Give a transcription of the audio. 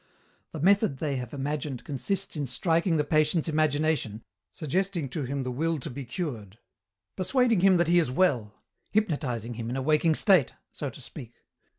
The method they have imagined consists in striking the patient's imagination, suggesting to him the will to be cured, persuading him that he is well, hypnotizing him in a waking state so to speak.